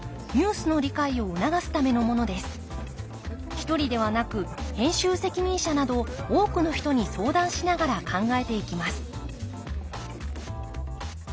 一人ではなく編集責任者など多くの人に相談しながら考えていきます